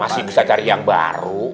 masih bisa cari yang baru